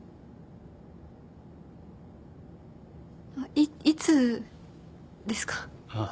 いいつですか？